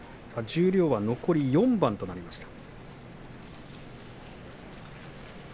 十両は残り４番となりました。